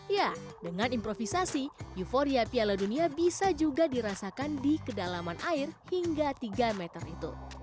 ya dengan improvisasi euforia piala dunia bisa juga dirasakan di kedalaman air hingga tiga meter itu